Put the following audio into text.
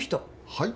はい？